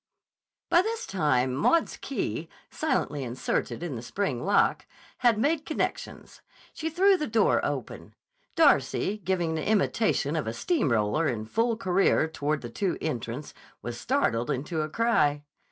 By this time Maud's key, silently inserted in the spring lock, had made connections. She threw the door open. Darcy, giving an imitation of a steam roller in full career toward the two entrants, was startled into a cry.